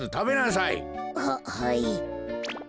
ははい。